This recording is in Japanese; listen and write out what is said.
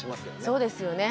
そうですよね。